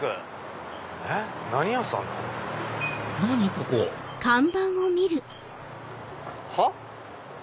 ここはっ？